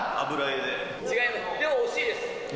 でも惜しいです。